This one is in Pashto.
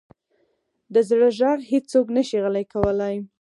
د زړه ږغ هیڅوک نه شي غلی کولی.